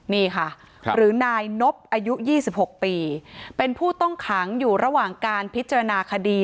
นี่ค่ะหรือนายนบอายุ๒๖ปีเป็นผู้ต้องขังอยู่ระหว่างการพิจารณาคดี